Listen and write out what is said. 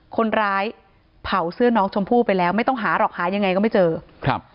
คนร้ายเผาเสื้อน้องชมพู่ไปแล้วไม่ต้องหาหรอกหายังไงก็ไม่เจอครับ